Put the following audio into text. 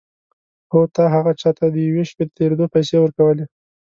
هو تا هغه چا ته د یوې شپې د تېرېدو پيسې ورکولې.